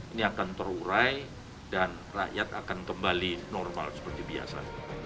ini akan terurai dan rakyat akan kembali normal seperti biasa